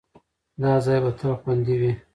دا ځای به تل خوندي وي.